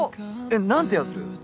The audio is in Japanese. えっ何てやつ？